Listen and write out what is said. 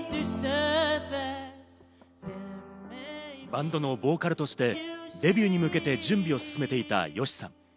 バンドのボーカルとしてデビューに向けて準備を進めていたＹＯＳＨＩさん。